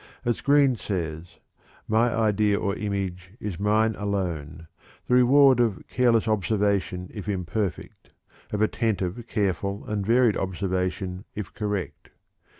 As Green says: "My idea or image is mine alone the reward of careless observation if imperfect; of attentive, careful, and varied observation if correct.